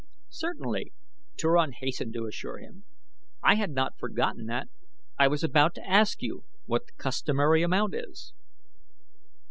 "Certainly," Turan hastened to assure him; "I had not forgotten that. I was about to ask you what the customary amount is."